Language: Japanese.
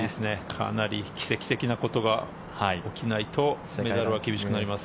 かなり奇跡的なことが起きないとメダルは厳しくなります。